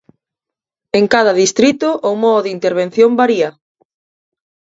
En cada distrito, o modo de intervención varía.